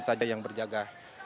saja yang berjaga